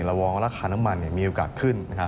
มองว่าราคาน้ำมันมีโอกาสขึ้น